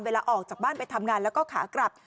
ออกจากบ้านไปทำงานแล้วก็ขากลับ